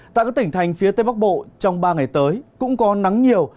tại các tỉnh thành phía tây bắc bộ trong ba ngày tới cũng có nắng nhiều